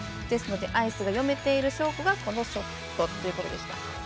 ですので、アイスが読めている証拠がこのショットということでした。